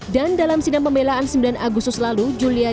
dan dalam sinar pembelaan sembilan agustus lalu